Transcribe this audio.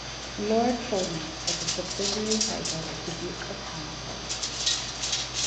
Lord Polmont is a subsidiary title of the Duke of Hamilton.